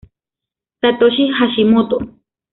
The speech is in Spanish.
Satoshi Hashimoto